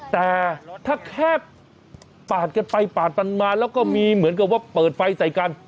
แต่ถ้าแคบปาดกันไปปาดกันมาแล้วก็มีเหมือนกับว่าเปิดไฟใส่กัน